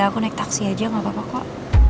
aku naik taksi aja gak apa apa kok